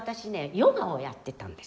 ヨガをやってたんです。